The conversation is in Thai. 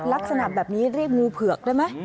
ลักษณะแบบนี้เรียกงูเผือกได้ไหม